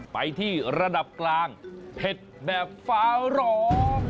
ไปที่ระดับกลางเผ็ดแบบฟ้าร้อง